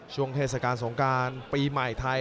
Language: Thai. เทศกาลสงการปีใหม่ไทย